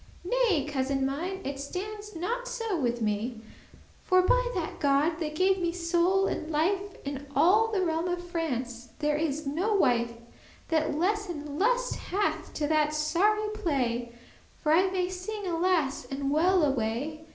"Nay, cousin mine, it stands not so with me; For by that God, that gave me soul and life, In all the realm of France is there no wife That lesse lust hath to that sorry play; For I may sing alas and well away!